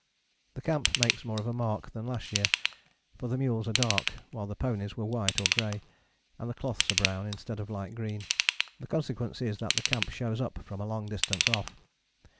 The camp makes more of a mark than last year, for the mules are dark while the ponies were white or grey, and the cloths are brown instead of light green. The consequence is that the camp shows up from a long distance off.